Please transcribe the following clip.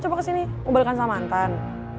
lagi lo kesini mau balik sama mantan